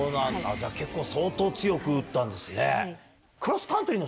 じゃあ結構相当強く打ったんですね。